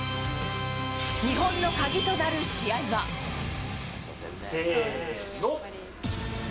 日本の鍵となる試合は。せーの。